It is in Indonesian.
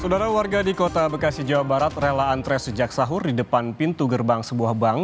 saudara warga di kota bekasi jawa barat rela antre sejak sahur di depan pintu gerbang sebuah bank